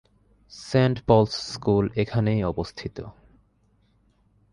Saint Paul's school এখানেই অবস্থিত।